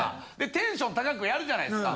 テンション高くやるじゃないですか。